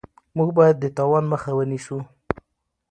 موږ باید د تاوان مخه ونیسو.